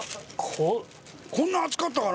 こんな熱かったかな？